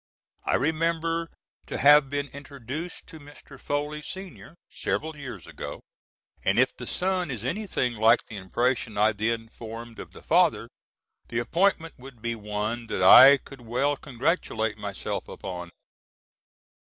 I remember to have been introduced to Mr. Foley Sr. several years ago, and if the son is anything like the impression I then formed of the father, the appointment would be one that I could well congratulate myself upon.